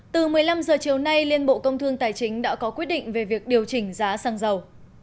từ một mươi năm h chiều nay liên bộ công thương tài chính đã có quyết định về việc điều chỉnh giá xăng dầu